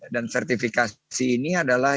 dan sertifikasi ini adalah